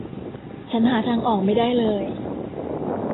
ฉันหาทางออกไม่ได้เลย